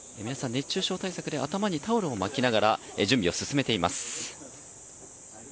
熱中症対策で頭にタオルを巻きながら準備を進めています。